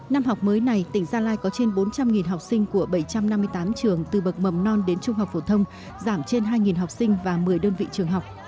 năm học mới này tỉnh gia lai có trên bốn trăm linh học sinh của bảy trăm năm mươi tám trường từ bậc mầm non đến trung học phổ thông giảm trên hai học sinh và một mươi đơn vị trường học